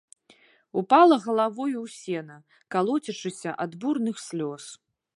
Упала галавою ў сена, калоцячыся ад бурных слёз.